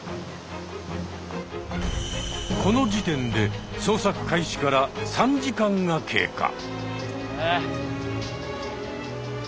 この時点で捜索開始から３時間が経過。